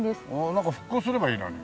なんか復興すればいいのに。